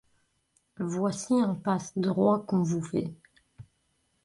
Voici un passe-droit qu'on vous fait.